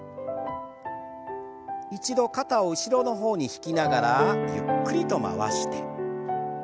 一度肩を後ろの方に引きながらゆっくりと回して。